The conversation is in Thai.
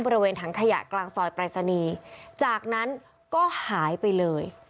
บริเวณถังขยะกลางซอยปรายศนีย์จากนั้นก็หายไปเลย